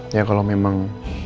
ya kalau memang